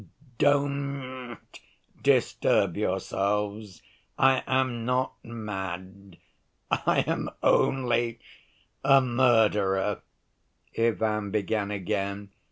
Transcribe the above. "Don't disturb yourselves. I am not mad, I am only a murderer," Ivan began again.